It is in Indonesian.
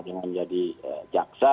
dengan jadi jaksa